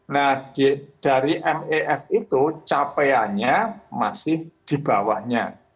nah dari mef itu capaiannya masih di bawahnya